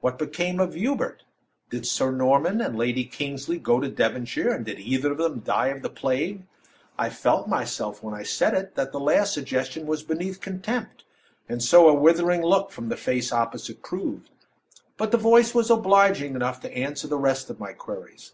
What became of Hubert? Did Sir Norman and Lady Kingsley go to Devonshire, and did either of them die of the plague? I felt, myself, when I said it, that the last suggestion was beneath contempt, and so a withering look from the face opposite proved; but the voice was obliging enough to answer the rest of my queries.